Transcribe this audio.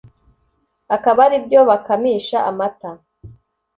akaba ari byo bakamisha amata.